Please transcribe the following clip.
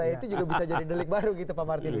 itu juga bisa jadi delik baru gitu pak martin